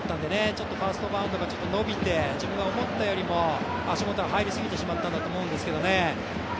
ちょっとファーストのマウンドがちょっと伸びて、自分が思ったよりも足元が入りすぎてしまったんだと思いますけどね。